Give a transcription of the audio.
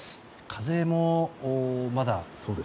風もまだ。